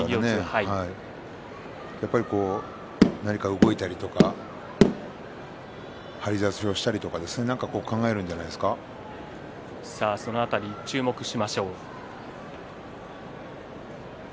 やっぱり何か動いたりとか張り差しをしたりその辺り、注目しましょう。